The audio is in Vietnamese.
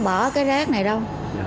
không có cái rác này đâu